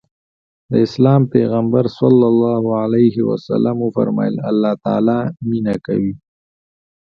د اسلام پيغمبر ص وفرمايل الله تعالی مينه کوي.